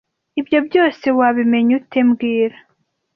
Ibyo byose wabimenya ute mbwira